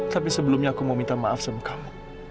tapi sebelumnya aku mau minta maaf sama kamu